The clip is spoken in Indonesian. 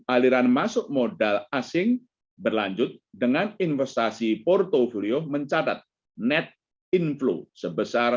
aliran masuk modal asing berlanjut dengan investasi portfolio mencatat net inflow sebesar